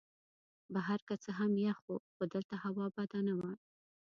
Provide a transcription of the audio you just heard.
بهر که څه هم یخ وو خو دلته هوا بده نه وه.